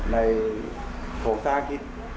ในโถงสร้างที่